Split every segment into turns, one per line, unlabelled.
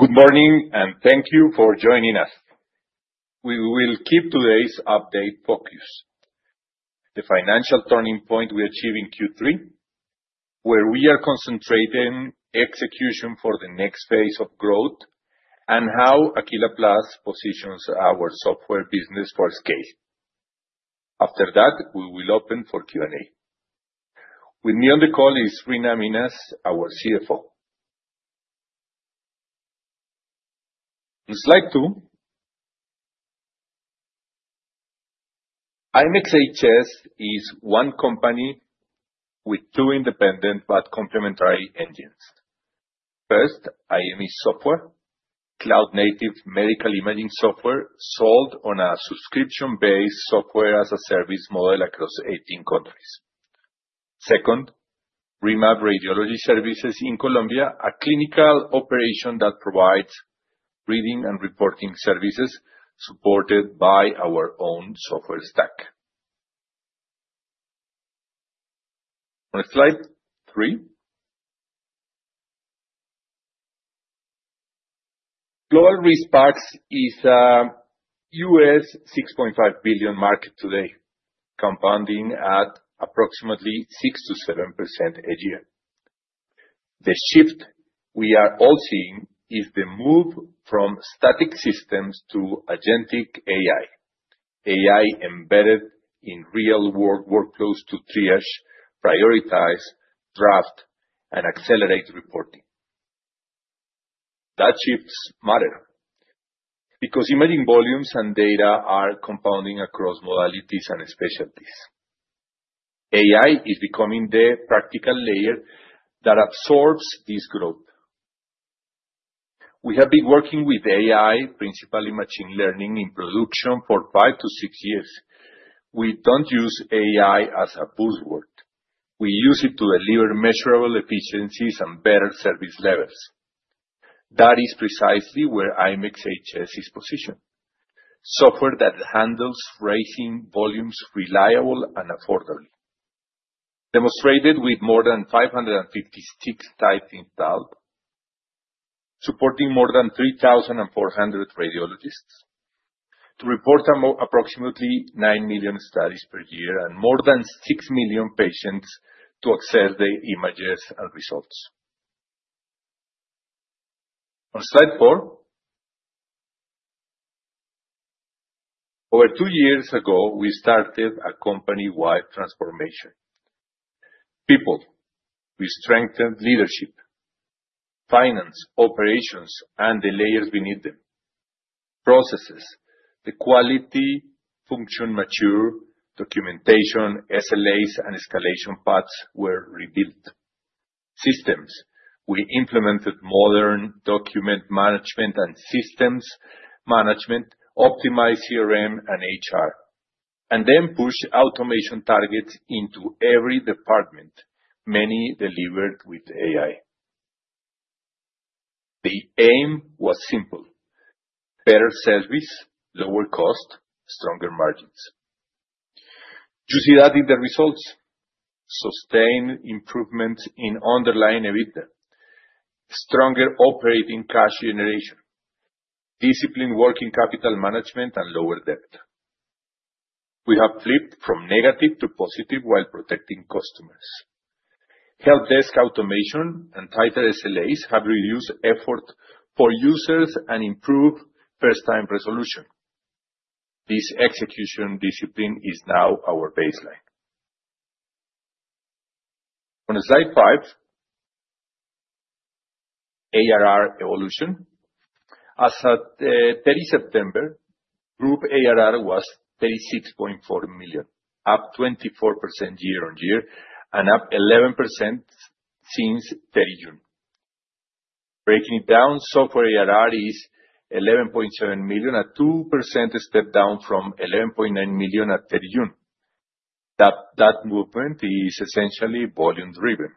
Good morning, and thank you for joining us. We will keep today's update focused: The financial turning point we achieved in Q3, where we are concentrating execution for the next phase of growth, and how AQUILA+ positions our software business for scale. After that, we will open for Q&A. With me on the call is Reena Minhas, our CFO. On slide 2, ImExHS is one company with two independent but complementary engines. First, IME software, cloud-native medical imaging software sold on a subscription-based software-as-a-service model across 18 countries. Second, RIMAB Radiology Services in Colombia, a clinical operation that provides reading and reporting services supported by our own software stack. Next slide, three. Global RIS PACS is a $6.5 billion market today, compounding at approximately 6%-7% a year. The shift we are all seeing is the move from static systems to agentic AI, AI embedded in real-world workflows to triage, prioritize, draft, and accelerate reporting. That shift matters because imaging volumes and data are compounding across modalities and specialties. AI is becoming the practical layer that absorbs this growth. We have been working with AI, principally machine learning, in production for five to six years. We don't use AI as a buzzword. We use it to deliver measurable efficiencies and better service levels. That is precisely where ImExHS is positioned. Software that handles rising volumes reliably and affordably. Demonstrated with more than 550 sites tightly installed. Supporting more than 3,400 radiologists to report approximately 9 million studies per year and more than 6 million patients to access the images and results. On slide four. Over two years ago, we started a company-wide transformation. People. We strengthened leadership. Finance, operations, and the layers beneath them. Processes, the quality function matured, documentation, SLAs, and escalation paths were rebuilt. Systems, we implemented modern document management and systems management, optimized CRM and HR, and then pushed automation targets into every department, many delivered with AI. The aim was simple. Better service, lower cost, stronger margins. You see that in the results. Sustained improvements in underlying EBITDA. Stronger operating cash generation. Disciplined working capital management, and lower debt. We have flipped from negative to positive while protecting customers. Help desk automation and tighter SLAs have reduced effort for users and improved first-time resolution. This execution discipline is now our baseline. On slide five. ARR evolution. As of 30 September, group ARR was $36.4 million, up 24% year-on-year and up 11% since 30 June. Breaking it down, software ARR is $11.7 million, a 2% step down from $11.9 million at 30 June. That movement is essentially volume-driven.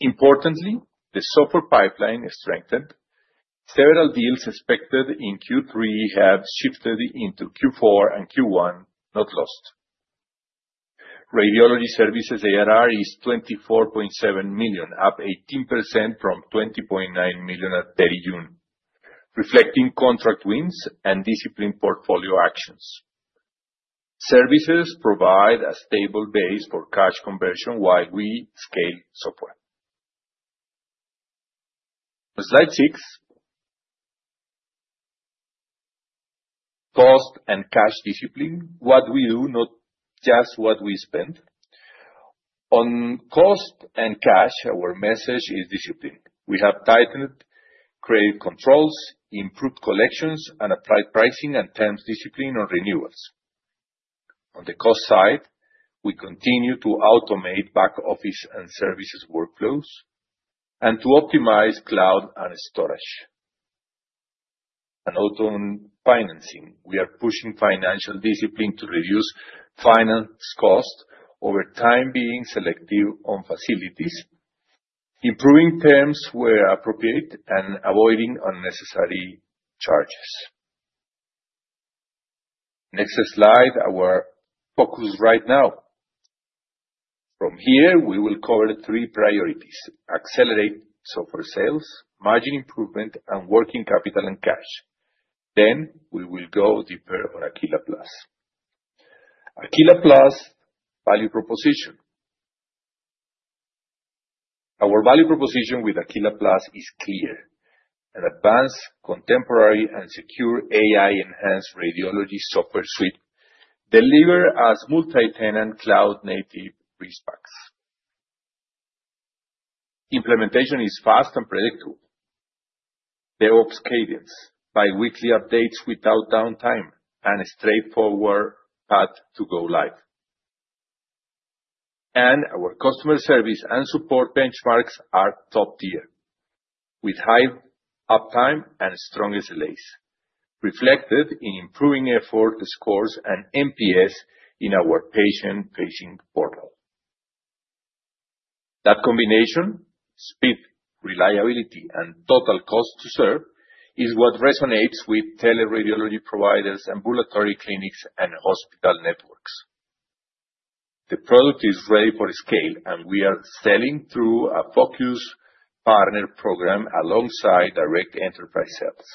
Importantly, the software pipeline is strengthened. Several deals expected in Q3 have shifted into Q4 and Q1, not lost. Radiology Services ARR is $24.7 million, up 18% from $20.9 million at 30 June, reflecting contract wins and disciplined portfolio actions. Services provide a stable base for cash conversion while we scale software. On slide six. Cost and cash discipline, what we do, not just what we spend. On cost and cash, our message is discipline. We have tightened credit controls, improved collections, and applied pricing and terms discipline on renewals. On the cost side, we continue to automate back office and services workflows and to optimize cloud and storage. Also on financing, we are pushing financial discipline to reduce finance cost over time, being selective on facilities. Improving terms where appropriate and avoiding unnecessary charges. Next slide, our focus right now. From here, we will cover three priorities: accelerate software sales, margin improvement, and working capital and cash. Then we will go deeper on AQUILA+. AQUILA+ value proposition. Our value proposition with AQUILA+ is clear: an advanced, contemporary, and secure AI-enhanced radiology software suite delivered as multi-tenant cloud-native RIS PACS. Implementation is fast and predictable. DevOps cadence, biweekly updates without downtime, and a straightforward path to go live. And our customer service and support benchmarks are top tier, with high uptime and strong SLAs, reflected in improving effort scores and NPS in our patient-facing portal. That combination, speed, reliability, and total cost to serve, is what resonates with teleradiology providers and ambulatory clinics and hospital networks. The product is ready for scale, and we are selling through a focused partner program alongside direct enterprise sales.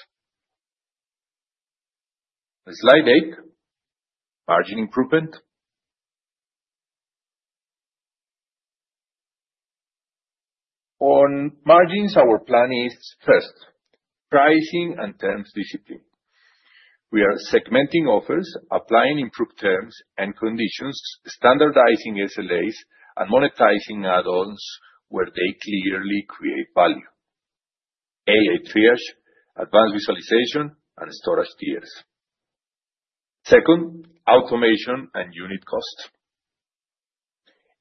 On slide eight. Margin improvement. On margins, our plan is first. Pricing and terms discipline. We are segmenting offers, applying improved terms and conditions, standardizing SLAs, and monetizing add-ons where they clearly create value. AI triage, advanced visualization, and storage tiers. Second, automation and unit cost.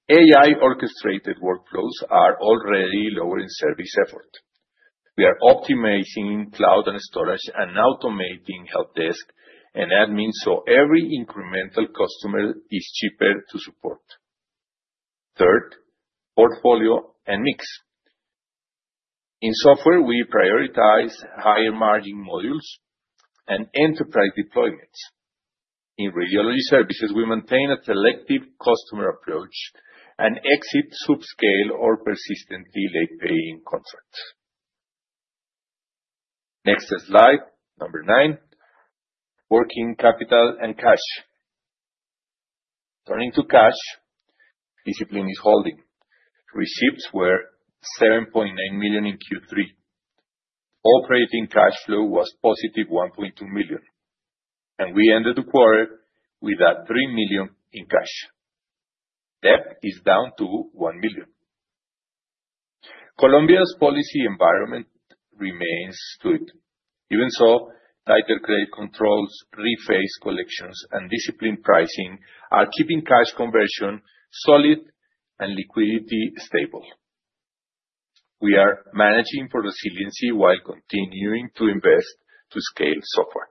AI-orchestrated workflows are already lowering service effort. We are optimizing cloud and storage and automating help desk and admin so every incremental customer is cheaper to support. Third, portfolio and mix. In software, we prioritize higher margin modules and enterprise deployments. In radiology services, we maintain a selective customer approach and exit subscale or persistently late-paying contracts. Next slide, number nine. Working capital and cash. Turning to cash. Discipline is holding. Receipts were $7.9 million in Q3. Operating cash flow was positive $1.2 million. And we ended the quarter with that $3 million in cash. Debt is down to $1 million. Colombia's policy environment remains good. Even so, tighter credit controls, rephased collections, and disciplined pricing are keeping cash conversion solid and liquidity stable. We are managing for resiliency while continuing to invest to scale software.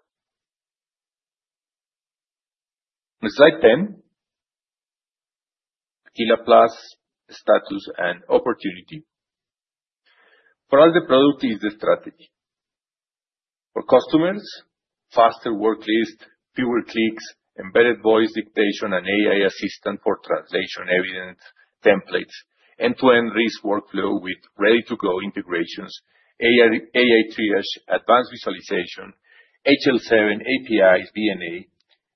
On slide 10. AQUILA+ status and opportunity. For us, the product is the strategy. For customers, faster work list, fewer clicks, embedded voice dictation, and AI assistant for translation evidence templates, end-to-end risk workflow with ready-to-go integrations, AI triage, advanced visualization, HL7 APIs, DNA,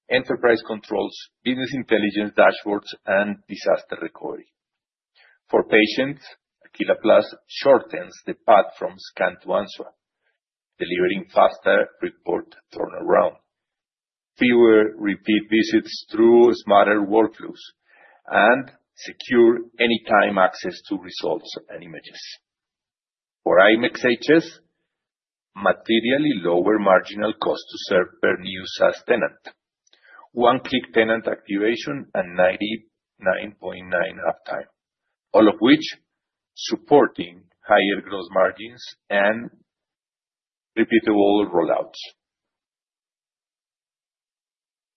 enterprise controls, business intelligence dashboards, and disaster recovery. For patients, AQUILA+ shortens the path from scan to answer, delivering faster report turnaround, fewer repeat visits through smarter workflows, and secure anytime access to results and images. For ImExHS, materially lower marginal cost to serve per new sales tenant. One-click tenant activation and 99.9% uptime, all of which supporting higher gross margins and repeatable rollouts.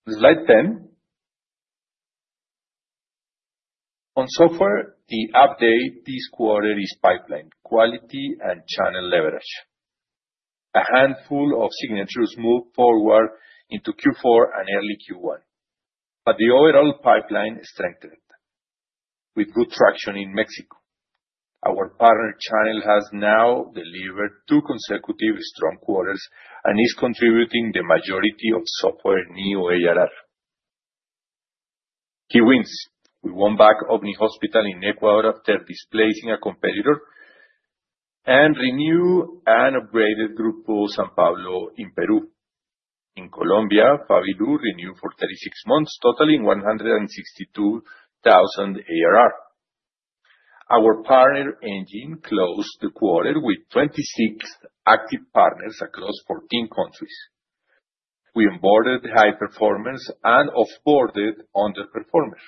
On slide 10. On software, the update this quarter is pipeline, quality, and channel leverage. A handful of signatures moved forward into Q4 and early Q1, but the overall pipeline strengthened. With good traction in Mexico, our partner channel has now delivered two consecutive strong quarters and is contributing the majority of software new ARR. Key wins. We won back [Omni Hospital] in Ecuador after displacing a competitor. We renewed and upgraded [Grupo San Pablo] in Peru. In Colombia, [Favilu] renewed for 36 months, totaling $162,000 ARR. Our partner engine closed the quarter with 26 active partners across 14 countries. We onboarded high performers and offboarded underperformers.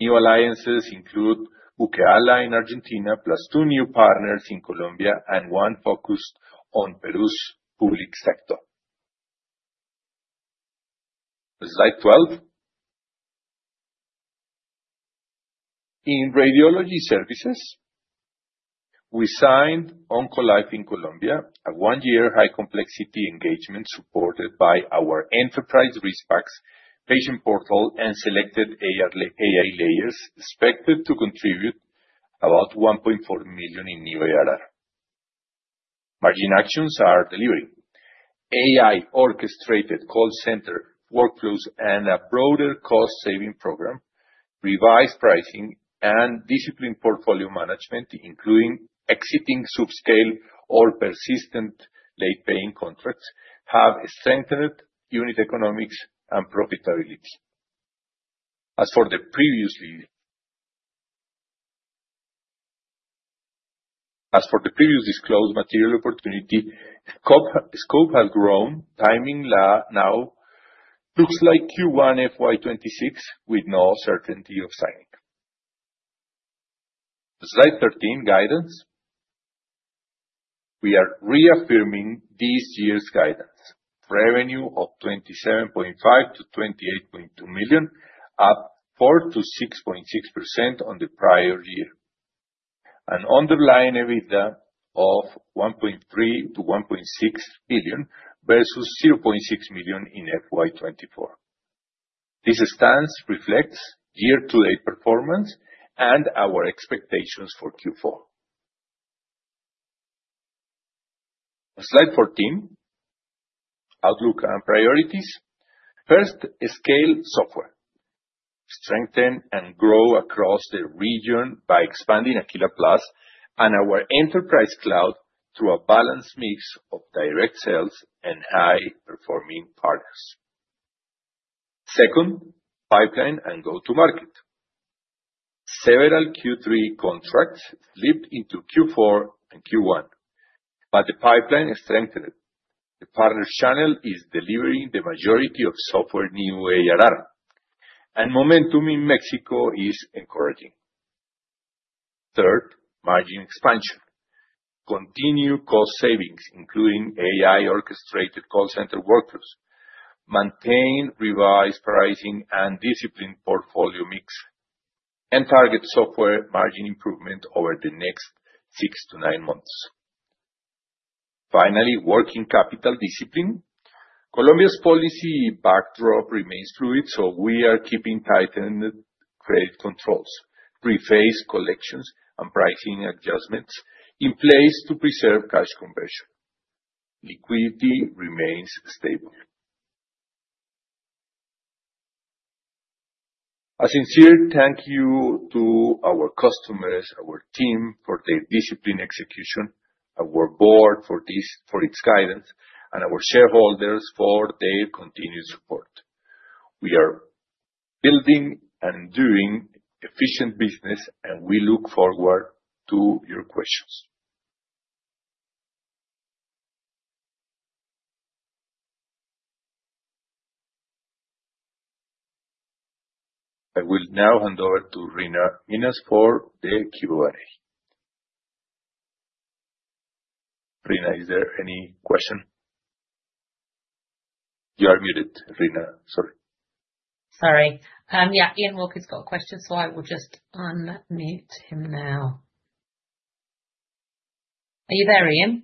New alliances include [Bukeala] in Argentina, plus two new partners in Colombia and one focused on Peru's public sector. On slide 12. In radiology services. We signed Oncolife in Colombia, a one-year high-complexity engagement supported by our enterprise risk packs, patient portal, and selected AI layers expected to contribute about $1.4 million in new ARR. Margin actions are delivering. AI-orchestrated call center workflows and a broader cost-saving program. Revised pricing and disciplined portfolio management, including exiting subscale or persistent late-paying contracts, have strengthened unit economics and profitability. As for the previously disclosed material opportunity, scope has grown. Timing now. Looks like Q1 FY 2026 with no certainty of signing. On slide 13, guidance. We are reaffirming this year's guidance. Revenue of $27.5 million-$28.2 million, up 4%-6.6% on the prior year. An underlying EBITDA of $1.3 million-$1.6 million versus $0.6 million in FY24. This stance reflects year-to-date performance and our expectations for Q4. On slide 14. Outlook and priorities. First, scale software. Strengthen and grow across the region by expanding AQUILA+ and our enterprise cloud through a balanced mix of direct sales and high-performing partners. Second, pipeline and go-to-market. Several Q3 contracts slipped into Q4 and Q1, but the pipeline is strengthened. The partner channel is delivering the majority of software new ARR, and momentum in Mexico is encouraging. Third, margin expansion. Continue cost savings, including AI-orchestrated call center workflows. Maintain revised pricing and disciplined portfolio mix and target software margin improvement over the next six to nine months. Finally, working capital discipline. Colombia's policy backdrop remains fluid, so we are keeping tightened credit controls, rephased collections, and pricing adjustments in place to preserve cash conversion. Liquidity remains stable. A sincere thank you to our customers, our team for their disciplined execution, our board for its guidance, and our shareholders for their continued support. We are building and doing efficient business, and we look forward to your questions. I will now hand over to Reena Minhas for the Q&A. Reena, is there any question? You are muted, Reena. Sorry.
Sorry. Yeah, Ian Walker's got a question, so I will just unmute him now. Are you there, Ian?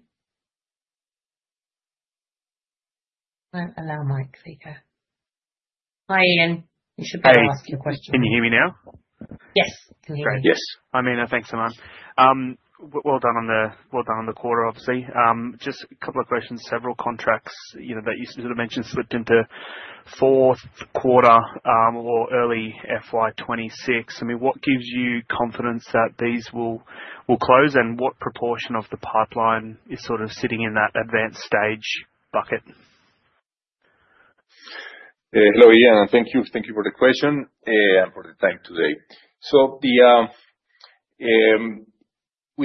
Don't allow mic. There you go. Hi, Ian. You should be able to ask your question. Sorry. Can you hear me now? Yes, I can hear you. Great. Yes. Hi, Reena. Thanks, German. Well done on the quarter, obviously. Just a couple of questions. Several contracts that you sort of mentioned slipped into fourth quarter or early FY 2026. I mean, what gives you confidence that these will close? And what proportion of the pipeline is sort of sitting in that advanced stage bucket?
Hello, Ian. Thank you for the question and for the time today. So, we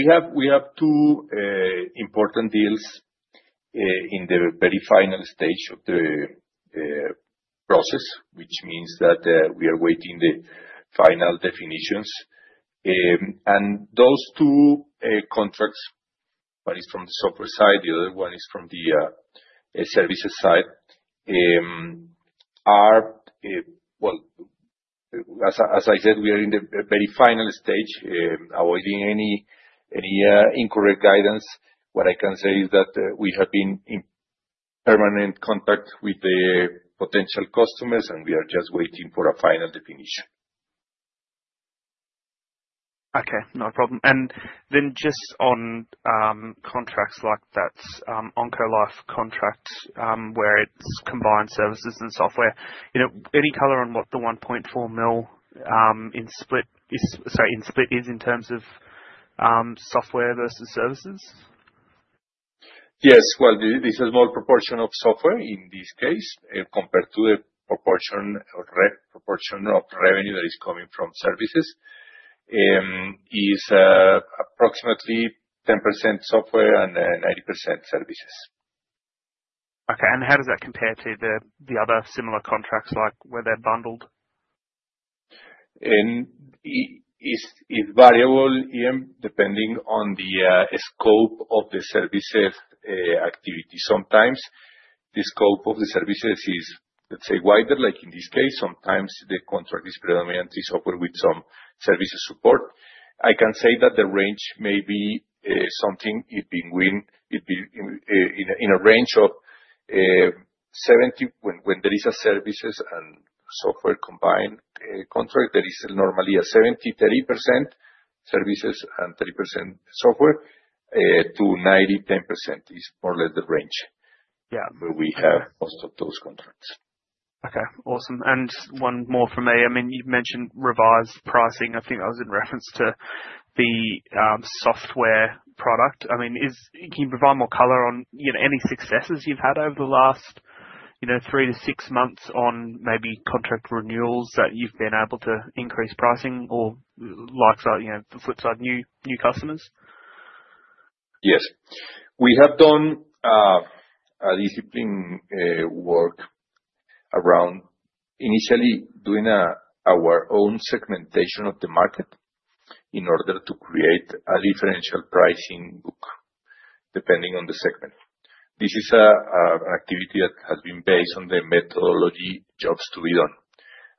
have two important deals in the very final stage of the process, which means that we are waiting the final definitions. Those two contracts, one is from the software side, the other one is from the services side. As I said, we are in the very final stage, avoiding any incorrect guidance. What I can say is that we have been in permanent contact with the potential customers, and we are just waiting for a final definition. Okay. No problem. And then just on contracts like that, Oncalife contract where it's combined services and software, any color on what the $1.4 million in split is in terms of software versus services? Yes. Well, this is a small proportion of software in this case, compared to the proportion of revenue that is coming from services. Is approximately 10% software and 90% services. Okay. And how does that compare to the other similar contracts, like where they're bundled? It's variable, Ian, depending on the scope of the services activity. Sometimes the scope of the services is, let's say, wider, like in this case. Sometimes the contract is predominantly software with some services support. I can say that the range may be something in a range of 70% when there is a services and software combined contract, there is normally a 70/30 services and software to 90/10 is more or less the range where we have most of those contracts. Okay. Awesome. And just one more from me. I mean, you've mentioned revised pricing. I think that was in reference to the software product. I mean, can you provide more color on any successes you've had over the last three to six months on maybe contract renewals that you've been able to increase pricing or, like, the flip side, new customers? Yes. We have done disciplined work around initially doing our own segmentation of the market in order to create a differential pricing book, depending on the segment. This is an activity that has been based on the methodology jobs to be done,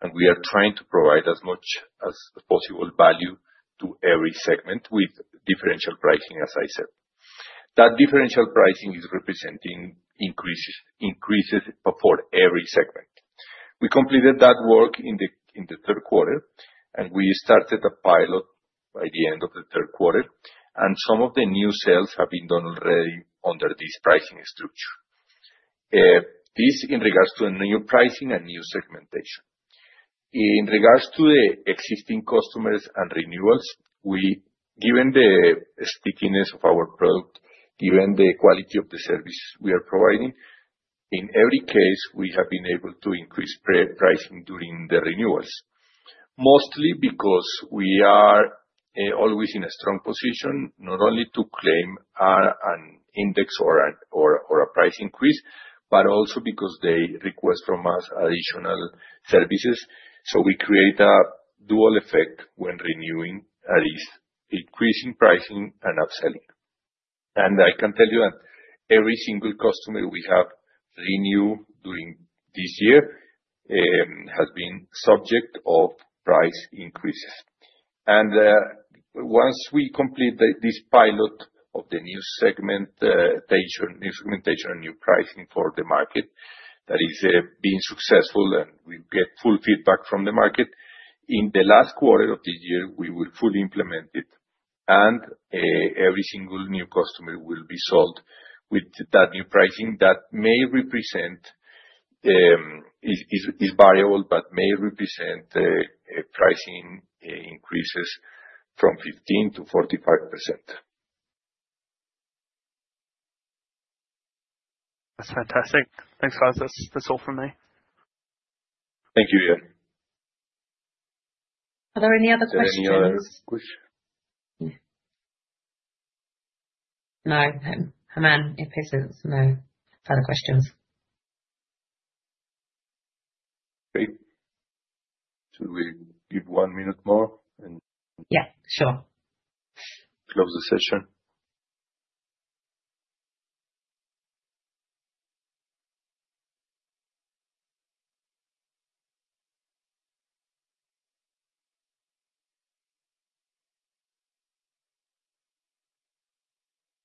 and we are trying to provide as much as possible value to every segment with differential pricing, as I said. That differential pricing is representing increases for every segment. We completed that work in the third quarter, and we started a pilot by the end of the third quarter. Some of the new sales have been done already under this pricing structure. This in regards to a new pricing and new segmentation. In regards to the existing customers and renewals, given the stickiness of our product, given the quality of the services we are providing, in every case, we have been able to increase pricing during the renewals. Mostly because we are always in a strong position, not only to claim an index or a price increase, but also because they request from us additional services. So we create a dual effect when renewing, that is, increasing pricing and upselling. I can tell you that every single customer we have renewed during this year has been subject to price increases. Once we complete this pilot of the new segmentation and new pricing for the market that is being successful and we get full feedback from the market, in the last quarter of this year, we will fully implement it. Every single new customer will be sold with that new pricing that may represent is variable, but may represent pricing increases from 15%-45%. That's fantastic. Thanks, German. That's all from me. Thank you, Ian.
Are there any other questions?
Is there any other question?
No. German, he says no further questions.
Great. So we give one minute more and.
Yeah. Sure.
Close the session.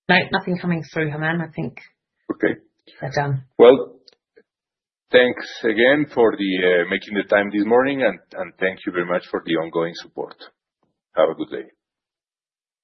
Nope. Nothing coming through, German. I think.
Okay.
We're done.
Thanks again for making the time this morning, and thank you very much for the ongoing support. Have a good day.